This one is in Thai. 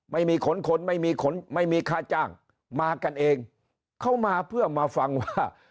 ไม่มีขนคนไม่มีขนไม่มีค่าจ้างมากันเองเขามาเพื่อมาฟังว่า